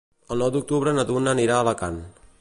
El nou d'octubre na Duna anirà a Alacant.